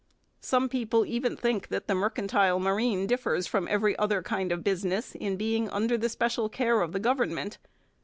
Some people even think that the mercantile marine differs from every other kind of business in being under the special care of the government.